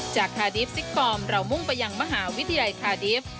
คาดีฟซิกฟอร์มเรามุ่งไปยังมหาวิทยาลัยคาดีฟ